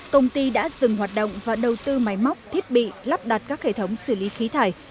công ty đã dừng hoạt động và đầu tư máy móc thiết bị lắp đặt các hệ thống xử lý khí thải